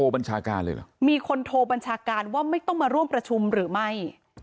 บัญชาการเลยเหรอมีคนโทรบัญชาการว่าไม่ต้องมาร่วมประชุมหรือไม่